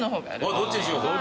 どっちにしよう。